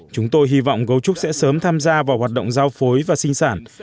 chúng tôi hy vọng gấu trúc sẽ sớm tham gia vào hoạt động giao phối và sinh sản